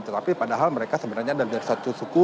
tetapi padahal mereka sebenarnya dari satu suku